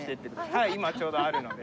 はい今ちょうどあるので。